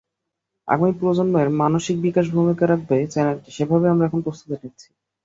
আগামী প্রজন্মের মানসিক বিকাশে ভূমিকা রাখবে চ্যানেলটি, সেভাবেই আমরা এখন প্রস্তুতি নিচ্ছি।